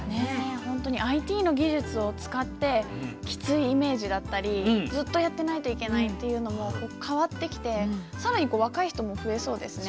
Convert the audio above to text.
ほんとにＩＴの技術を使ってきついイメージだったりずっとやってないといけないっていうのも変わってきて更に若い人も増えそうですね。